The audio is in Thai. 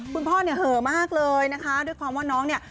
คุณพ่อเนี่ยเหอะมากเลยนะคะด้วยความว่าน้องเนี่ย